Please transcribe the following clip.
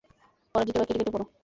পরাজিতরা কেটে কেটে পরো।